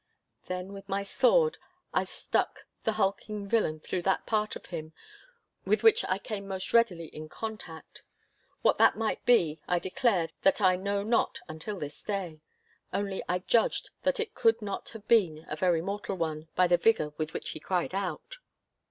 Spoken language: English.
Then with my sword I stuck the hulking villain through that part of him with which I came most readily in contact. What that might be, I declare that I know not until this day. Only I judged that it could not have been a very mortal one, by the vigour with which he cried out.